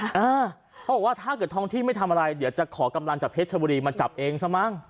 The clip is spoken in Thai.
เขาบอกว่าถ้าเกิดท้องที่ไม่ทำอะไรเดี๋ยวจะขอกำลังจากเพชรชบุรีมาจับเองซะมั้ง